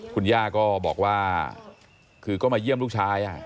คุณย่าก็บอกว่าคือก็มาเยี่ยมลูกชาย